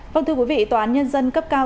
vâng thưa quý vị tòa án nhân dân cấp cao